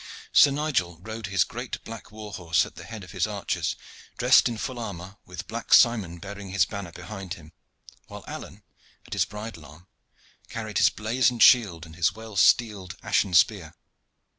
Sir Nigel rode his great black war horse at the head of his archers, dressed in full armor, with Black Simon bearing his banner behind him, while Alleyne at his bridle arm carried his blazoned shield and his well steeled ashen spear.